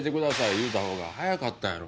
言うたほうが早かったやろ。